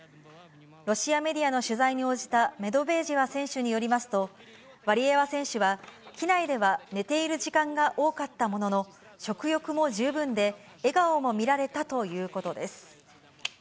ロシアメディアの取材に応じたメドベージェワ選手によりますと、ワリエワ選手は、機内では寝ている時間が多かったものの、食欲も十分で、笑顔も見られたということです。